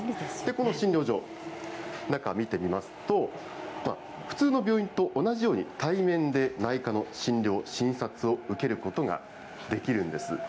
この診療所、中見てみますと、普通の病院と同じように対面で内科の診療、診察を受けることができるんです。